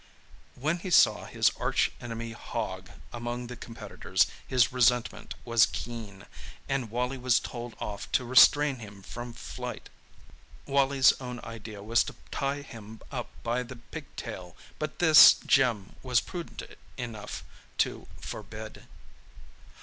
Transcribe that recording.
When he saw his arch enemy Hogg among the competitors his resentment was keen, and Wally was told off to restrain him from flight. Wally's own idea was to tie him up by the pigtail, but this Jim was prudent enough to forbid.